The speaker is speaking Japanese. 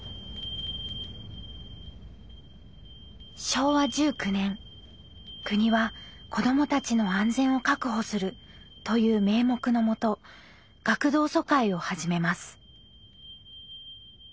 昭和１９年国は「子どもたちの安全を確保する」という名目のもと学童疎開を始めます。